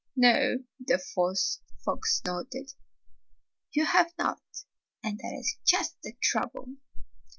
"No!" the fox snorted, "you have not, and that is just the trouble.